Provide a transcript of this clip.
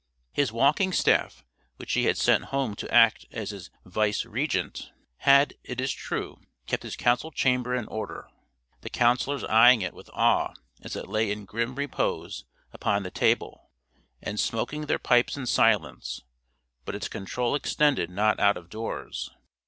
His walking staff which he had sent home to act as his vicegerent, had, it is true, kept his council chamber in order; the counsellors eyeing it with awe as it lay in grim repose upon the table, and smoking their pipes in silence; but its control extended not out of doors.